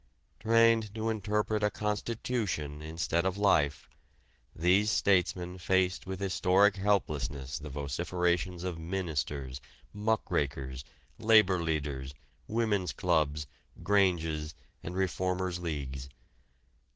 Trained to interpret a constitution instead of life, these statesmen faced with historic helplessness the vociferations of ministers, muckrakers, labor leaders, women's clubs, granges and reformers' leagues.